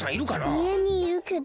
いえにいるけど。